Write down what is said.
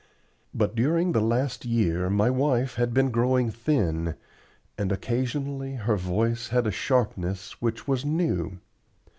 But during the last year my wife had been growing thin, and occasionally her voice had a sharpness which was new.